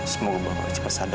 semoga bapak cepat cepatnya